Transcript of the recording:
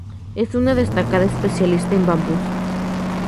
Es una destacada especialista en bambús.